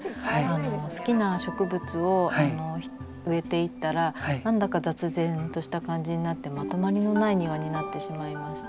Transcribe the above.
好きな植物を植えていったら何だか雑然とした感じになってまとまりのない庭になってしまいまして。